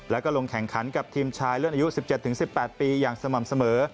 แล้วก็ลงแข่งขันกับทีมชายเลื่อนอายุ๑๗๑๘ปีอย่างสม่ำเสมอ